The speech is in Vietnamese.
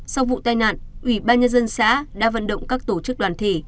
sau vụ tai nạn ủy ban nhân dân xã đã vận động các tổ chức đoàn thể